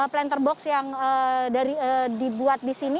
planter box yang dibuat disini